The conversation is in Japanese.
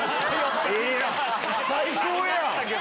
最高やん！